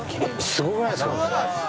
すごくないですか？